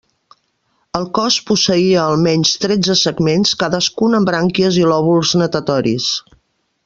El cos posseïa almenys tretze segments, cadascun amb brànquies i lòbuls natatoris.